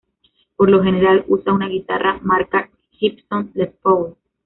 Por lo general usa una guitarra marca Gibson Les Paul.